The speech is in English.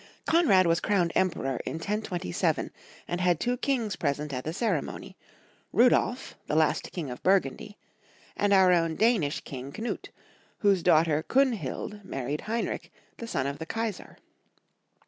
Konrad was crowned Emperor in 1027, and had two kings present at the ceremony — Rudolf, the last King of Burgundy, and our own Danish King Knut, whose daughter Kunhild married Heinrich, the son of the Kaisar.